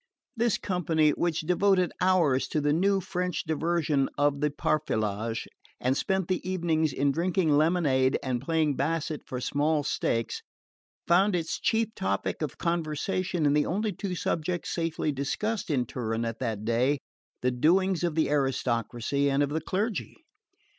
This company, which devoted hours to the new French diversion of the parfilage, and spent the evenings in drinking lemonade and playing basset for small stakes, found its chief topic of conversation in the only two subjects safely discussed in Turin at that day the doings of the aristocracy and of the clergy.